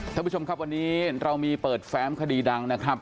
ท่านผู้ชมครับวันนี้เรามีเปิดแฟ้มคดีดังนะครับ